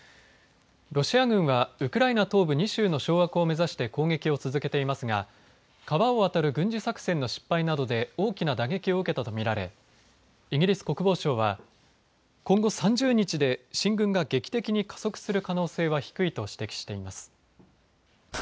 ロシア軍は、ウクライナ東部２州の掌握を目指して攻撃を続けていますが川を渡る軍事作戦の失敗などで大きな打撃を受けたとみられイギリス国防省は今後３０日で進軍が劇的に加速する可能性は低いと指摘しています。